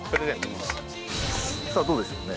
さあどうでしょうね